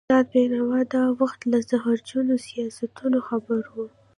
استاد بينوا د وخت له زهرجنو سیاستونو خبر و.